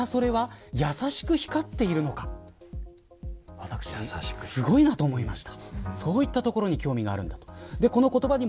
私、すごいなと思いました。